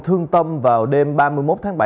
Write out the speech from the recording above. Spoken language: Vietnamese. thương tâm vào đêm ba mươi một tháng bảy